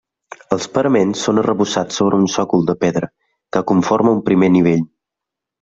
Els paraments són arrebossats sobre un sòcol de pedra, que conforma un primer nivell.